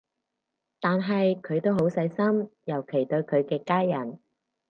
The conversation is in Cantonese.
但係佢都好細心，尤其對佢嘅家人